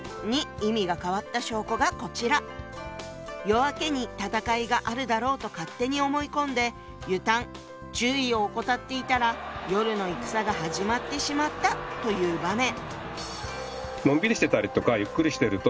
夜明けに戦いがあるだろうと勝手に思い込んで「ゆたむ」注意を怠っていたら夜の戦が始まってしまったという場面。